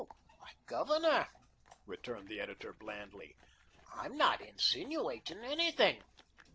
"Why, Governor," returned the editor, blandly, "I'm not INSINUATING anything.